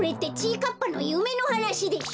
かっぱのゆめのはなしでしょ！？